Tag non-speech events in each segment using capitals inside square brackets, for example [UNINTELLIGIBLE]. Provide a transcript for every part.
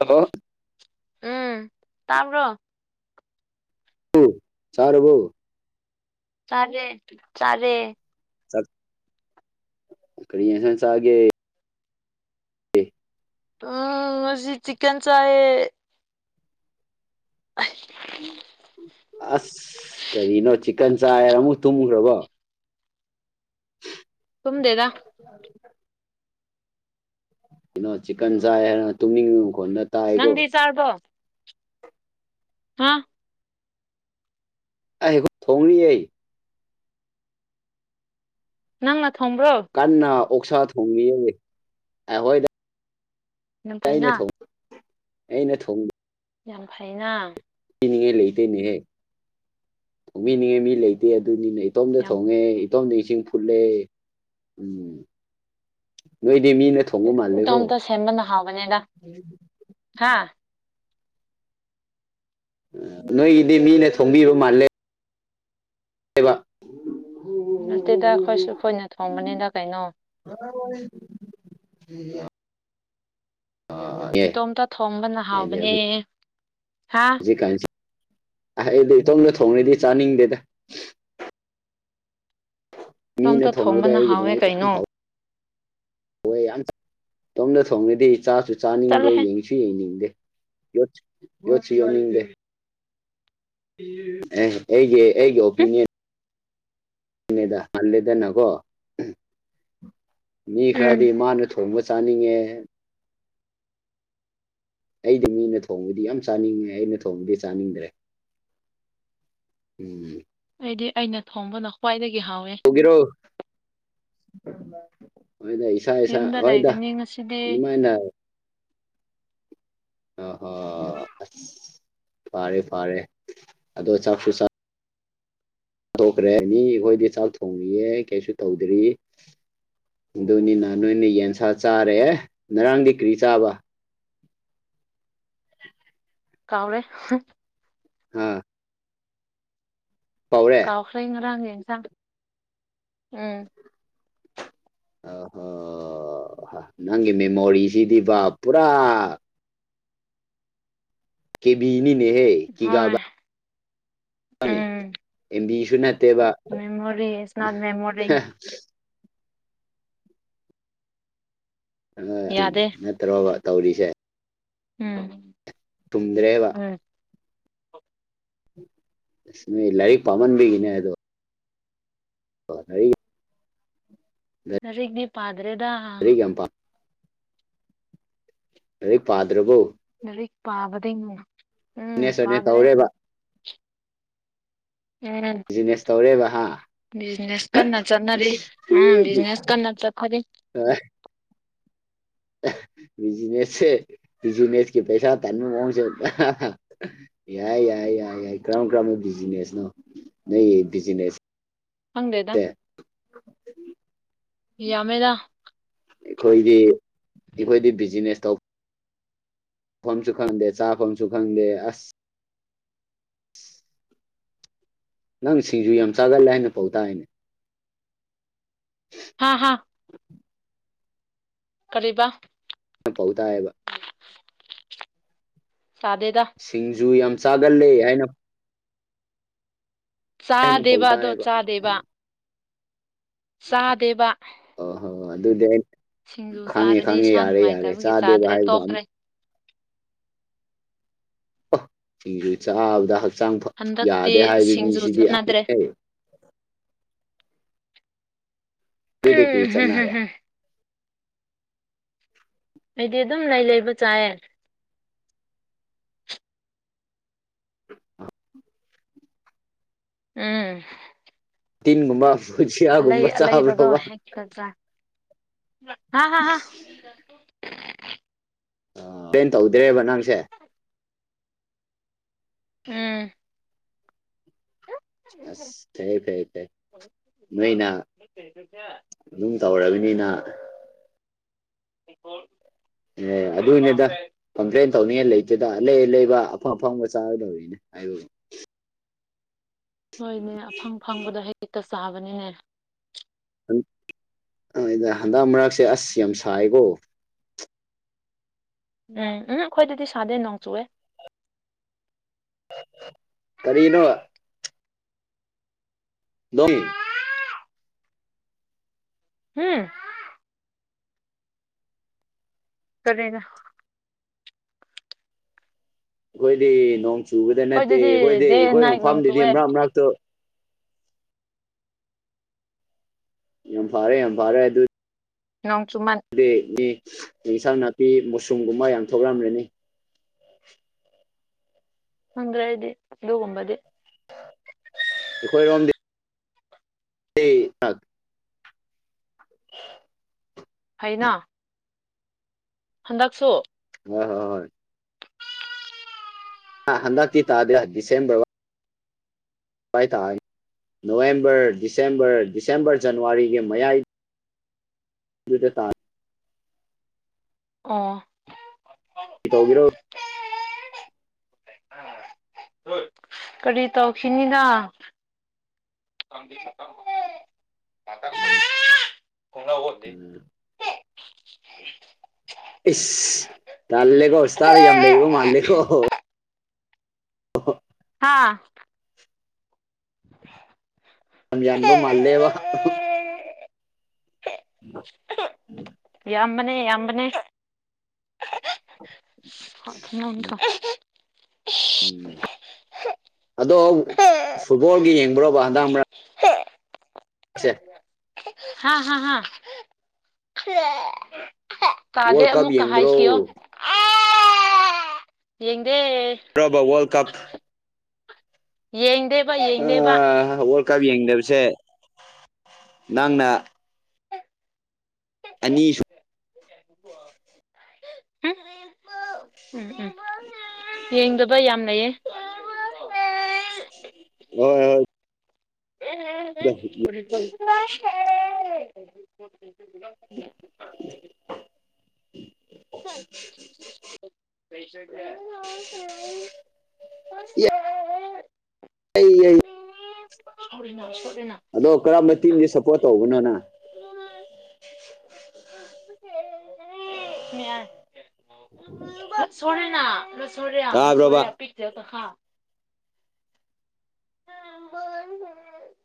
Hello ꯎꯝ ꯇꯥꯕ꯭ꯔꯣ ꯎ ꯆꯥꯔꯕꯣ ꯆꯥꯔꯦ ꯆꯥꯔꯦ ꯆꯠ ꯀꯔꯤ ꯌꯦꯟꯁꯥꯡ ꯆꯥꯒꯦ? ꯎꯝ ꯉꯁꯤ ꯆꯤꯀꯟ ꯆꯥꯏꯌꯦ ꯑꯩ ꯑꯥꯁ ꯀꯔꯤꯅꯣ ꯆꯤꯛꯀꯟ ꯆꯥꯏꯌꯦꯔ ꯑꯃꯨꯛ ꯇꯨꯝꯒ꯭ꯔꯕꯣ ꯇꯨꯝꯗꯦꯗ [INAUDIBLE] ꯅꯣ ꯆꯤꯛꯀꯟ ꯆꯥꯏ ꯍꯥꯏꯔꯒ ꯇꯨꯝꯅꯤꯡꯕ ꯃꯈꯣꯟ ꯅꯠ ꯅꯪꯗꯤ ꯆꯥꯔꯕꯣ ꯍꯥꯥ ꯑꯩꯈꯣꯏ ꯊꯣꯡꯔꯤꯌꯦ ꯅꯪꯅ ꯊꯣꯡꯕ꯭ꯔꯣ? ꯀꯟꯅ ꯑꯣꯛꯁꯥ ꯊꯣꯡꯏꯌꯦ ꯑꯩꯍꯣꯏꯗ ꯌꯥꯝ ꯑꯩꯅ ꯐꯩꯅ ꯊꯣꯡ ꯑꯩꯅ ꯊꯣꯡ ꯌꯥꯝ ꯐꯩꯅ ꯕꯤꯅꯤꯡꯉꯥꯏ ꯂꯩꯇꯦꯅꯦꯍꯦ ꯊꯣꯡꯕꯤꯅꯤꯡꯉꯥꯏ ꯃꯤ ꯂꯩꯇꯦ ꯑꯗꯨꯅꯤꯅꯦ ꯏꯇꯣꯝꯇ ꯌꯥꯝ ꯊꯣꯡꯉꯦ ꯇꯣꯝꯗ ꯏꯁꯤꯡ ꯐꯨꯠꯂꯦ ꯎꯝ ꯅꯣꯏꯗꯤ ꯃꯤꯅ ꯊꯣ ꯏꯇꯣꯞꯇ ꯁꯦꯝꯕꯅ ꯍꯥꯎꯕꯅꯦꯗ ꯍꯥ ꯅꯣꯏꯒꯤꯗꯤ ꯃꯤꯅ ꯊꯣꯡꯕꯤꯕ ꯃꯥꯜꯂꯦ ꯅꯠꯇꯦꯗ ꯑꯈꯣꯏꯁꯨ ꯑꯈꯣꯏꯅ ꯊꯣꯡꯕꯅꯤꯗ ꯀꯩꯅꯣ [INAUDIBLE] ꯑꯦ ꯏꯇꯣꯝꯇ ꯊꯣꯡꯕꯅ ꯍꯥꯎꯕꯅꯦ ꯍꯥ ꯔꯤꯀꯥꯟꯖꯤ ꯑꯍꯩꯗꯤ ꯏꯇꯣꯝꯗ ꯊꯣꯡꯔꯗꯤ ꯆꯥꯅꯤꯡꯗꯦꯗ ꯃꯤꯅ ꯏꯇꯣꯝꯇ ꯊꯣꯡꯕꯗꯣ ꯊꯣꯡꯕꯅ ꯍꯥꯎꯋꯦ ꯑꯩꯒꯤꯗꯃꯛꯇ ꯌꯥꯝ ꯀꯩꯅꯣ ꯍꯥꯎ ꯋꯣꯏ ꯌꯥꯝ ꯆꯥ ꯏꯇꯣꯝꯗ ꯊꯣꯡꯔꯗꯤ ꯆꯥꯁꯨ ꯆꯥꯅꯤꯡꯗꯦ ꯆꯠꯂꯣꯍꯦ ꯌꯦꯡ ꯁꯨ ꯌꯦꯡꯅꯤꯡꯗꯦ ꯌꯣꯠ ꯌꯣꯠꯁꯨ ꯌꯣꯠꯅꯤꯡꯗꯦ ꯑꯦ ꯑꯩꯒꯤ ꯑꯩꯒꯤ ꯑꯣꯄꯤꯅ꯭ꯌꯟ ꯅꯦꯗ ꯍꯜꯂꯦꯗꯅꯒꯣ ꯃꯤ ꯎꯝ ꯈ꯭ꯔꯗꯤ ꯃꯥꯅ ꯊꯣꯡꯕ ꯆꯥꯅꯤꯡꯉꯦ ꯑꯩꯗꯤ ꯃꯤꯅ ꯊꯣꯡꯕꯗꯤ ꯌꯥꯝ ꯆꯥꯅꯤꯡꯉꯦ ꯑꯩꯅ ꯊꯣꯡꯕꯗꯤ ꯆꯥꯅꯤꯡꯗ꯭ꯔꯦ ꯎꯝ ꯑꯩꯗꯤ ꯑꯩꯅ ꯊꯣꯡꯕꯅ ꯈ꯭ꯋꯥꯏꯗꯒꯤ ꯍꯥꯎꯋꯦ ꯕꯤꯔꯣ ꯑꯣꯏꯅ ꯏꯁꯥ ꯏꯁꯥ ꯌꯨꯝꯗ ꯍꯣꯏꯗ ꯂꯩꯒꯅꯤ ꯉꯁꯤꯗꯤ ꯑꯗꯨꯃꯥꯏꯅ ꯑꯣ ꯍꯣ ꯑꯁ ꯐꯥꯔꯦ ꯐꯥꯔꯦ ꯑꯗꯣ ꯆꯥꯛꯁꯨ ꯆꯥ ꯇꯣꯛꯈ꯭ꯔꯦ ꯃꯤ ꯈꯣꯏꯗꯤ ꯆꯥꯛ ꯊꯣꯡꯔꯤꯌꯦ ꯀꯩꯁꯨ ꯇꯧꯗ꯭ꯔꯤ ꯗꯨꯅꯤꯅ ꯅꯣꯏꯅ ꯌꯦꯟꯁꯥ ꯆꯥꯔꯦ ꯅꯔꯥꯡꯗꯤ ꯀ꯭ꯔꯤ ꯆꯥꯕ ꯀꯥꯎꯔꯦ ꯍ ꯑ ꯄꯧꯔꯦ ꯍꯥꯎꯈ꯭ꯔꯦ ꯉꯔꯥꯡꯒꯤ ꯏꯟꯁꯥꯡ ꯎꯝ ꯑꯍꯣ ꯍ ꯅꯪꯒꯤ ꯃꯦꯃꯣꯔꯤꯁꯤꯗꯤꯕ ꯄꯨꯔꯥ ꯀꯦꯕꯤꯅꯤꯅꯦꯍꯦ ꯍꯣꯏ ꯀꯤꯒꯥꯕ ꯕꯒꯤ ꯎꯝ ꯑꯦꯝ ꯕꯤꯁꯨ ꯅꯠꯇꯦꯕ ꯃꯦꯃꯣꯔꯤ ꯏꯁ ꯅꯣꯠ ꯃꯦꯃꯣꯔꯤꯡ꯫ ꯑ ꯌꯥꯗꯦ [INAUDIBLE] ꯅꯠꯇ꯭ꯔꯣꯕ ꯇꯧꯔꯤꯁꯦ꯫ ꯎꯝ꯫ ꯇꯨꯝꯗ꯭ꯔꯦꯕ꯫ ꯎꯝ꯫ ꯏꯁ ꯅꯣꯏ ꯂꯥꯏꯔꯤꯛ ꯄꯥꯃꯟꯕꯒꯤꯅꯦ ꯑꯗꯣ꯫ [UNINTELLIGIBLE] ꯂꯥꯏꯔꯤꯛꯗꯤ ꯄꯥꯗ꯭ꯔꯦꯗ꯫ ꯂꯥꯏꯔꯤꯛ ꯌꯥꯝ ꯄꯥ ꯂꯥꯏꯔꯤꯛ ꯄꯥꯗ꯭ꯔꯕꯣ꯫ ꯂꯥꯏꯔꯤꯛ ꯄꯥꯕꯗꯤ [UNINTELLIGIBLE] ꯎꯝ [UNINTELLIGIBLE] ꯄꯥꯗ꯭ꯔꯦ ꯇꯧꯔꯦꯕ꯫ ꯎꯝ ꯕꯤꯖꯤꯅꯦꯁ ꯇꯧꯔꯦ ꯕꯍꯥ꯫ ꯕꯤꯖꯤꯅꯦꯁ ꯀꯟꯅ ꯆꯠꯅꯔꯤ ꯎꯝ ꯕꯤꯖꯤꯅꯦꯁ ꯀꯟꯅ ꯆꯠ [UNINTELLIGIBLE] [UNINTELLIGIBLE] ꯑꯦꯍ ꯕꯤꯖꯤꯅꯦꯁꯁꯦ ꯕꯤꯖꯤꯅꯦꯁꯀꯤ ꯄꯩꯁꯥ ꯇꯥꯟꯕ ꯃꯑꯣꯡꯁꯦ ꯌꯥꯏ ꯌꯥꯏ ꯌꯥꯏ ꯌꯥꯏ ꯀ꯭ꯔꯝ ꯀ꯭ꯔꯝꯕ ꯕꯤꯖꯤꯅꯦꯁ ꯅꯣ ꯅꯣꯏꯒꯤ ꯕꯤꯖꯤꯅꯦꯁ ꯈꯪꯗꯦꯗ ꯌꯥꯝꯃꯦꯗ꯫ ꯑꯩꯈꯣꯏꯗꯤ ꯑꯩꯈꯣꯏꯗꯤ ꯕꯤꯖꯤꯅꯦꯁ ꯇꯧ ꯐꯝꯁꯨ ꯈꯪꯗꯦ ꯆꯥꯐꯝꯁꯨ ꯈꯪꯗꯦ ꯑꯁ꯫ ꯅꯪ ꯁꯤꯡꯖꯨ ꯌꯥꯝ ꯆꯥꯒꯜꯂꯦ ꯍꯥꯏꯅ ꯄꯥꯎ ꯇꯥꯏꯅꯦ꯫ ꯍꯥ ꯍꯥ꯫ ꯀꯔꯤꯕ꯫ ꯄꯥꯎ ꯇꯥꯏꯌꯦꯕ꯫ ꯁꯥꯗꯦꯗ꯫ ꯁꯤꯡꯖꯨ ꯌꯥꯝ ꯆꯥꯒꯜꯂꯦ ꯍꯥꯏꯅ ꯍꯥꯏꯅ ꯄꯥꯎ ꯆꯥꯗꯦꯕ ꯑꯗꯣ ꯇꯥꯏꯌꯦꯕ ꯆꯥꯗꯦꯕ꯫ ꯆꯥꯗꯦꯕ꯫ ꯑꯣ ꯍꯣ ꯑꯗꯨꯗꯤ ꯑꯩ ꯁꯤꯡꯖꯨ ꯈꯪꯉꯦ ꯆꯥꯔꯗꯤ ꯈꯪꯉꯦ ꯏꯁꯥ ꯌꯥꯔꯦ ꯌꯥꯔꯦ ꯅꯨꯡꯉꯥꯏꯇꯕꯒꯤ ꯆꯥꯗꯦꯕ ꯆꯥꯗ꯭ꯔꯦ ꯍꯥꯏꯕꯗꯣ ꯑꯝ ꯇꯣꯛꯈ꯭ꯔꯦ ꯑꯣ ꯁꯤꯡꯖꯨ ꯆꯥꯕꯗ ꯍꯛꯆꯥꯡ ꯐ ꯍꯟꯗꯛꯇꯤ ꯌꯥꯗꯦ ꯍꯥꯏꯕ ꯁꯤꯡꯖꯨ ꯃꯤꯁꯤꯗꯤ [INAUDIBLE] ꯆꯠꯅꯗ꯭ꯔꯦ ꯀꯔꯤ ꯆꯠꯅꯔꯦ ꯎꯝ [UNINTELLIGIBLE] ꯑꯩꯗꯤ ꯑꯗꯨꯝ ꯂꯩ ꯂꯩꯕ ꯆꯥꯏꯌꯦ꯫ [INAUDIBLE] ꯎꯝ꯫ ꯇꯤꯟꯒꯨꯝꯕ ꯕꯨꯖꯤꯌꯥꯒꯨꯝꯕ ꯆꯥꯕ꯭ꯔꯣꯕ꯫ ꯇꯆꯥ ꯍꯥ ꯍꯥ ꯍꯥ꯫ [UNINTELLIGIBLE] ꯇꯧꯗ꯭ꯔꯦꯕ ꯅꯪꯁꯦ꯫ ꯎꯝ꯫ ꯑꯁ ꯐꯩ ꯐꯩ ꯐꯩ ꯅꯣꯏꯅ ꯑꯗꯨꯝ ꯇꯧꯔꯕꯅꯤꯅ [UNINTELLIGIBLE] ꯑꯦ ꯑꯗꯨꯅꯦꯗ꯫ ꯀꯝꯄ꯭ꯂꯦꯟ ꯇꯧꯅꯤꯡꯉꯥꯏ ꯂꯩꯇꯦꯗ ꯑꯂꯩ ꯑꯂꯩꯕ ꯑꯐꯪ ꯑꯐꯪꯕ ꯆꯥꯒꯗꯧꯔꯤꯅꯦ [UNINTELLIGIBLE] ꯍꯣꯏꯅꯦ ꯑꯐꯪ ꯐꯪꯕꯗꯣ ꯍꯦꯛꯇ ꯆꯥꯕꯅꯦꯅꯦ ꯍꯟꯗꯛ ꯃꯔꯛꯁꯦ ꯑꯁ ꯌꯥꯝ ꯁꯥꯏꯀꯣ ꯎꯝ ꯎꯝ ꯑꯩꯈꯣꯏꯗꯗꯤ ꯁꯥꯗꯩ ꯅꯣꯡ ꯆꯨꯑꯦ ꯀꯔꯤꯅꯣ ꯅꯣꯏ ꯍꯝ ꯀꯔꯤꯅꯣ ꯑꯩꯈꯣꯏꯗꯤ ꯅꯣꯡ ꯆꯨꯕꯗ ꯅꯠꯇꯦ ꯑꯩꯈꯣꯏꯗꯗꯤ ꯑꯩꯈꯣꯏꯗꯤ ꯗꯦ ꯑꯦꯟ ꯑꯩꯈꯣꯏ ꯅꯥꯏꯠ ꯅꯣꯡ ꯃꯐꯝꯗꯨꯗꯤ ꯆꯨꯑꯦ ꯃꯔꯛ ꯃꯔꯛꯇ ꯌꯥꯝ ꯐꯥꯔꯦ ꯌꯥꯝ ꯐꯥꯔꯦ ꯑꯗꯨ ꯅꯣꯡ ꯆꯨꯃꯥꯟ ꯏꯟꯁꯥꯡ ꯅꯥꯄꯤ ꯃꯨꯁꯔꯨꯝꯒꯨꯝꯕ ꯌꯥꯝ ꯊꯣꯛꯂꯝꯂꯅꯤ ꯈꯪꯗꯦ ꯑꯩꯗꯤ ꯑꯗꯨꯒꯨꯝꯕꯗꯤ ꯑꯩꯈꯣꯏ ꯔꯣꯝꯗꯤ [UNINTELLIGIBLE] [INAUDIBLE] ꯐꯩꯅꯥ ꯍꯟꯗꯛꯁꯨ ꯍꯣꯏ ꯍꯣꯏ ꯍꯣꯏ ꯍꯟꯗꯛꯇꯤ ꯇꯥꯗꯦ ꯗꯤꯁꯦꯝꯕꯔꯕꯧ ꯑꯗꯨꯋꯥꯏ ꯇꯥꯏꯌꯦ ꯅꯣꯕꯦꯝꯕꯔ ꯗꯤꯁꯦꯝꯕꯔ ꯗꯤꯁꯦꯝꯕꯔ ꯖꯅꯋꯥꯔꯤꯒꯤ ꯃꯌꯥꯏ ꯗꯨꯗꯥ ꯇꯥ ꯑꯣ ꯀꯩ ꯇꯧꯕꯤꯔꯣ ꯀꯔꯤ ꯇꯧꯈꯤꯅꯤꯗꯥ [UNINTELLIGIBLE] ꯏꯁ ꯇꯜꯂꯦꯒꯣ ꯏꯁꯇꯥꯔ ꯌꯥꯝ ꯂꯩꯕ ꯃꯥꯜꯂꯦꯀꯣ ꯍꯥꯥ [INAUDIBLE] ꯂꯝꯌꯥꯟꯕ ꯃꯥꯜꯂꯦꯕ ꯎꯝ ꯌꯥꯝꯕꯅꯦ ꯌꯥꯝꯕꯅꯦ [UNINTELLIGIBLE] ꯎꯝ ꯑꯗꯣ ꯐꯨꯠꯕꯣꯜꯒꯤ ꯌꯦꯡꯕ꯭ꯔꯣꯕꯥ ꯍꯟꯗꯛ ꯃꯥꯔꯛ ꯁꯦ ꯍꯥ ꯍꯥ ꯍꯥ ꯇꯥꯗꯦ ꯋꯥꯔꯜ ꯀꯞ ꯑꯃꯨꯛꯀ ꯌꯦꯡꯕ꯭ꯔꯣ ꯍꯥꯏꯈꯤꯌꯣ ꯌꯦꯡꯗꯦ ꯋꯥꯔꯜ ꯀꯞ ꯌꯦꯡꯗꯦꯕ ꯌꯦꯡꯗꯦꯕ ꯋꯥꯔ꯭ꯜ ꯀꯞ ꯌꯦꯡꯗꯕꯁꯦ ꯅꯪꯅ ꯑꯅꯤꯁꯨ ꯍꯨꯝ ꯎꯝ ꯎꯝ ꯌꯦꯡꯗꯕ ꯌꯥꯝ ꯅꯩꯌꯦ ꯍꯣꯏ ꯍꯣꯏ ꯎꯝ ꯎꯝ ꯎꯝ ꯄꯨꯔꯤꯠ ꯄꯧ ꯎ [UNINTELLIGIBLE] ꯑꯩ [UNINTELLIGIBLE] ꯑꯗꯣ ꯀꯔꯝꯕ ꯇꯤꯝꯁꯦ ꯁꯞꯄꯣꯔꯠ ꯇꯧꯕꯅꯣꯅ [UNINTELLIGIBLE] ꯇꯥꯕ꯭ꯔꯣꯕ [UNINTELLIGIBLE] ꯍ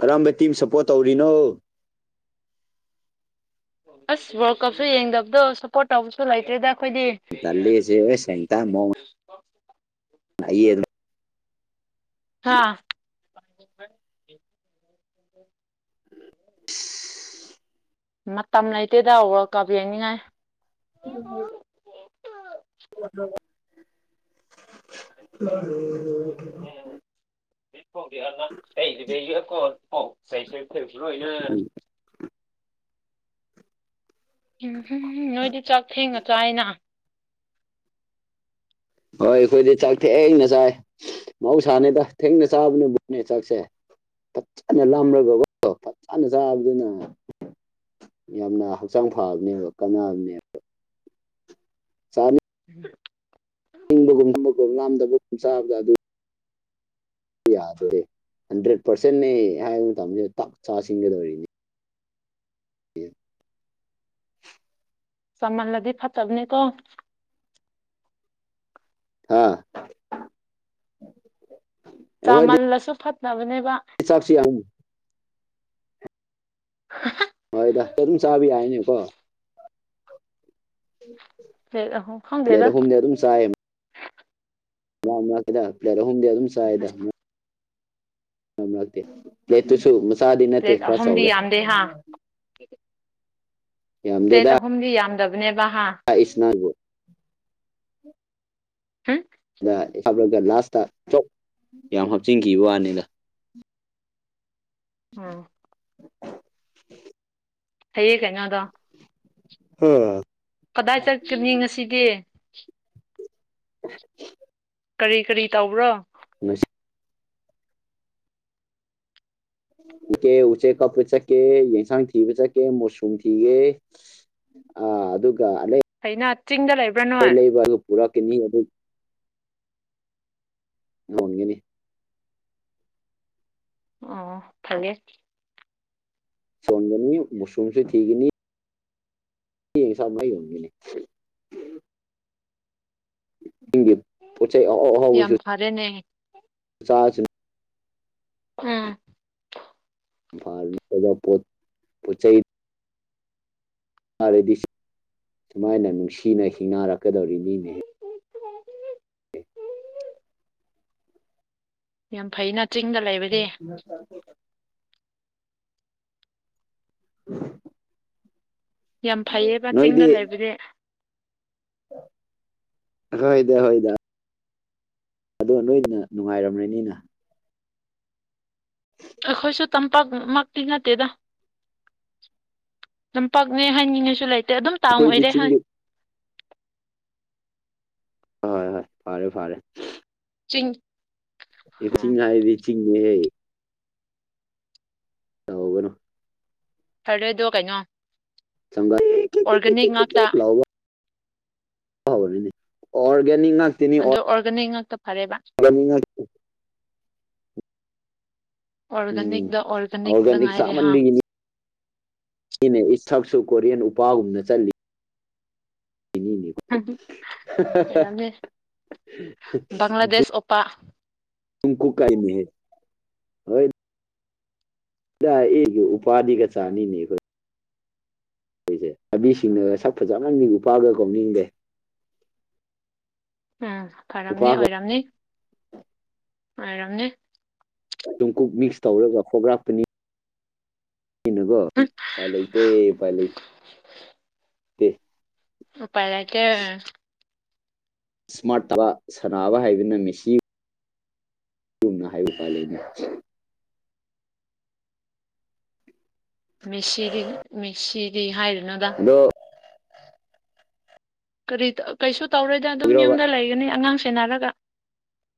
ꯀꯔꯝꯕ ꯇꯤꯝ ꯁꯞꯄꯣꯔꯠ ꯇꯧꯔꯤꯅꯣ ꯑꯁ ꯋꯥꯔꯜ ꯀꯞꯁꯨ ꯌꯦꯡꯗꯕꯗꯣ ꯁꯞꯄꯣꯔꯠ ꯇꯧꯕꯁꯨ ꯂꯩꯇꯦꯗ [UNINTELLIGIBLE] [UNINTELLIGIBLE] ꯍꯥꯥ ꯑꯣꯏ ꯃꯇꯝ ꯂꯩꯇꯦ ꯇꯥ ꯋꯥꯜ ꯀꯞ ꯌꯦꯡꯅꯤꯡꯉꯥꯏ ꯎꯝ ꯍ [UNINTELLIGIBLE] [UNINTELLIGIBLE] [UNINTELLIGIBLE] ꯅꯣꯏꯗꯤ ꯆꯥꯛ ꯊꯦꯡꯅꯥ ꯆꯥꯏꯅ ꯍꯣꯏ ꯑꯩꯈꯣꯏꯗꯤ ꯆꯥꯛ ꯊꯦꯡꯅ ꯆꯥꯏ ꯃꯍꯧꯁꯥꯅꯦꯗ ꯊꯦꯡꯅ ꯆꯥꯕꯅꯕꯣꯅꯦ ꯆꯥꯛꯁꯦ ꯐꯠꯖꯅ ꯂꯝꯂꯒꯣ ꯐꯠꯖꯅ ꯆꯥꯕꯗꯨꯅ ꯌꯥꯝꯅ ꯍꯛꯆꯥꯡ ꯐꯕꯅꯦꯕ ꯀꯥꯟꯅꯕꯅꯦꯕ ꯆꯥꯅꯤ ꯎꯝ ꯅꯤꯡꯕꯒꯨꯝ [UNINTELLIGIBLE] ꯂꯥꯝꯗꯕꯒꯨꯝ ꯆꯥꯕꯗ ꯑꯗꯨ ꯌꯥꯗꯔꯦ ꯍꯟꯗ꯭ꯔꯦꯠ ꯄꯥꯔꯁꯦꯟꯅꯦ ꯍꯥꯏꯕ ꯃꯇꯝꯁꯦ ꯇꯛ ꯆꯁꯤꯡꯒꯗꯧꯔꯤꯅꯤ ꯑꯣ ꯆꯥꯃꯜꯂꯗꯤ ꯐꯠꯇꯕꯅꯦ ꯀꯣ ꯍꯥꯥ ꯆꯥꯃꯜꯂꯁꯨ ꯐꯠꯇꯅꯕꯅꯦꯕ ꯆꯛꯁꯤ ꯌꯥꯝ ꯑ ꯍꯣꯏꯗꯥ ꯑꯗꯨꯝ ꯆꯥꯕ ꯌꯥꯏꯅꯦꯀꯣ ꯄ꯭ꯂꯦꯠ ꯑꯍꯨꯝ ꯄ꯭ꯂꯦꯠ ꯈꯪꯗꯦꯗ ꯑꯍꯨꯝꯅꯦ ꯑꯗꯨꯝ ꯆꯥꯏ ꯃꯔꯛ [UNINTELLIGIBLE] ꯄ꯭ꯂꯦꯠ ꯑꯍꯨꯝꯗꯤ ꯑꯗꯨꯝ ꯆꯥꯏꯗ ꯅꯛꯇꯦ ꯄ꯭ꯂꯦꯠꯇꯨꯁꯨ ꯃꯆꯥꯗꯤ ꯅꯠꯇꯦ ꯄ꯭ꯂꯦꯠ ꯈꯔ ꯑꯍꯨꯝꯗꯤ ꯆꯥꯎꯔꯦ [UNINTELLIGIBLE] ꯌꯥꯝꯗꯦ ꯍꯥ ꯄ꯭ꯂꯦꯠ ꯌꯥꯝꯗꯦꯗ ꯑꯍꯨꯝꯗꯤ ꯌꯥꯝꯗꯕꯅꯦꯕ ꯍꯥ [UNINTELLIGIBLE] ꯎꯝ ꯅꯥ ꯍꯥꯞꯂꯒ ꯂꯥꯁꯇꯥ ꯆꯣꯛ ꯌꯥꯝ ꯍꯥꯞꯆꯤꯟꯈꯤꯕ ꯋꯥꯅꯦꯗ ꯑꯥ [INAUDIBLE] ꯍꯩꯌꯦ ꯀꯩꯉꯥꯗ ꯎꯝ ꯀꯗꯥꯏ ꯆꯠꯀꯅꯤ ꯉꯁꯤꯗꯤ [INAUDIBLE] ꯀꯔꯤ ꯀꯔꯤ ꯇꯧꯕ꯭ꯔꯣ ꯃꯁꯤ ꯎꯀꯦ ꯎꯆꯦꯛ ꯀꯞꯄ ꯆꯠꯀꯦ ꯌꯦꯟꯁꯥꯡ ꯊꯤꯕ ꯆꯠꯀꯦ ꯃꯨꯁꯔꯨꯝ ꯊꯤꯒꯦ ꯑ ꯑꯗꯨꯒ ꯑꯗꯩ ꯑꯩꯅ ꯆꯤꯡꯗ ꯂꯩꯕ ꯀ ꯂꯩꯕ ꯑꯗꯨ ꯄꯨꯔꯛꯀꯅꯤ ꯑꯗꯨꯝ ꯌꯣꯟꯒꯅꯤ ꯑꯣ ꯐꯂꯦ ꯁꯣꯟꯒꯅꯤ ꯃꯨꯁꯔꯨꯝꯁꯨ ꯊꯤꯒꯅꯤ ꯏꯟꯁꯥꯡ ꯂꯣꯏ ꯌꯣꯟꯒꯅꯤ ꯄꯤꯒꯦ ꯄꯣꯠꯆꯩ ꯑꯍꯥꯎ ꯑꯍꯥꯎꯕꯁꯨ ꯐꯥꯔꯦꯅꯦ ꯆꯥꯁꯅꯨ [UNINTELLIGIBLE] ꯏꯝꯐꯥꯜ ꯅꯠꯇꯕ ꯄꯣꯠ ꯄꯣꯠꯆꯩ ꯐꯥꯔꯗꯤ ꯁꯨꯃꯥꯏꯅ ꯅꯨꯡꯁꯤꯅ ꯍꯤꯡꯅꯔꯛꯀꯗꯧꯔꯤꯅꯤꯅꯦꯍꯦ ꯌꯥꯝ ꯐꯩꯅ ꯆꯤꯡꯗ ꯂꯩꯕꯗꯤ [UNINTELLIGIBLE] [UNINTELLIGIBLE] ꯌꯥꯝ ꯐꯩꯌꯦꯕ ꯆꯤꯡꯗ ꯅꯣꯏꯗꯤ ꯂꯩꯕꯗꯤ ꯍꯣꯏꯗ ꯍꯣꯏꯗ ꯑꯗꯣ ꯅꯣꯏꯅ ꯅꯨꯡꯉꯥꯏꯔꯝ꯭ꯔꯅꯤꯅ ꯑꯩꯈꯣꯏꯁꯨ ꯇꯝꯄꯥꯛꯃꯛꯇꯤ ꯅꯠꯇꯦꯗ ꯇꯝꯄꯥꯛꯅꯦ ꯍꯥꯏꯅꯤꯡꯉꯥꯏꯁꯨ ꯂꯩꯇꯦ ꯑꯗꯨꯝ ꯇꯥꯎꯟ ꯑꯩꯈꯣꯏꯗꯤ ꯑꯣꯏꯔꯦ ꯍꯥꯏ ꯆꯤꯡꯒꯤ ꯍꯣꯏ ꯍꯣꯏ ꯐꯔꯦ ꯐꯔꯦ ꯆꯤꯡ ꯎꯝ ꯆꯤꯡ ꯍꯥꯏꯔꯗꯤ ꯆꯤꯡꯅꯦ ꯇꯧꯒꯅꯣ ꯐꯔꯗꯔꯗꯣ ꯀꯩꯅꯣ ꯆꯝꯕ [UNINTELLIGIBLE] ꯑꯣꯔꯒꯥꯅꯤꯛ ꯉꯥꯛꯇ [UNINTELLIGIBLE] ꯑꯣꯏꯔꯅꯤ ꯑꯣꯔꯒꯅꯤꯛ ꯉꯥꯛ ꯑꯗꯣ ꯑꯣꯔꯒꯥꯅꯤꯛ ꯉꯥꯛꯇ ꯐꯔꯦꯕ [INAUDIBLE] ꯎꯝ ꯑꯣꯔꯒꯥꯅꯤꯛꯛꯇ ꯑꯣꯔꯒꯥꯅꯤꯛꯇ ꯑꯣꯔꯒꯥꯅꯤꯛ ꯉꯥꯏꯔꯦ ꯍꯥ ꯁꯤꯅꯥ ꯏꯁꯛꯁꯨ ꯀꯣꯔꯤꯌꯟ ꯎꯄꯥꯒꯨꯝꯅ ꯆꯠꯂꯤ ꯑꯣꯏꯔꯝꯅꯤ ꯕꯪꯒ꯭ꯂꯥꯗꯦꯁ ꯑꯣꯄꯥ [INAUDIBLE] [UNINTELLIGIBLE] ꯀꯣ ꯀꯥꯏ ꯃꯤꯍꯦ ꯍꯣꯏ [UNINTELLIGIBLE] ꯎꯄꯥꯗꯤ ꯀꯠꯆꯥꯅꯤꯅꯦ ꯑꯩꯈꯣꯏ ꯈꯣꯏꯁꯦ ꯁꯥꯕꯤꯁꯤꯡꯅꯒ ꯁꯛ ꯐꯖꯕꯃꯟ ꯎꯄꯥꯒ ꯀꯧꯅꯤꯡꯗꯦ ꯎꯝ ꯐꯔꯝꯅꯤ ꯎꯄꯥꯒ ꯑꯣꯏꯔꯝꯅꯤ ꯍꯥꯏꯔꯝꯅꯦ ꯇꯨꯡꯀꯨꯞ ꯃꯤꯛꯁ ꯇꯧꯔꯒ ꯈꯣꯒ꯭ꯔꯥꯛꯒꯔꯞꯄꯅꯤ ꯑꯩꯅꯥꯀꯣ ꯎꯄꯥꯏ ꯂꯩꯇꯦ ꯄꯥꯏ ꯂꯩ ꯎꯄꯥꯏ ꯂꯩꯇꯦ ꯏꯁꯃꯥꯔꯠ ꯇꯕ ꯁꯥꯟꯅꯕ ꯍꯥꯏꯕꯅ ꯃꯦꯁꯤ ꯆꯨꯝꯅ ꯍꯥꯏꯌꯨ ꯎꯄꯥꯏ ꯂꯩꯅꯤ ꯃꯦꯁꯤꯗꯤ ꯃꯦꯁꯤꯗꯤ ꯍꯥꯏꯔꯨꯅꯨꯗꯥ ꯑꯗꯣ ꯀꯔꯤ ꯇ ꯀꯩꯁꯨ ꯇꯧꯔꯣꯏꯗ ꯑꯗꯨꯝ ꯑꯣꯏꯔꯣꯕ ꯌꯨꯝꯗ ꯂꯩꯒꯅꯤ ꯑꯉꯥꯡ ꯁꯦꯟꯅꯔꯒ